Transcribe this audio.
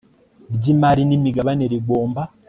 ry imari n imigabane rigomba